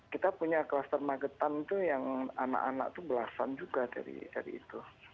kita punya kluster magetan itu yang anak anak itu belasan juga dari itu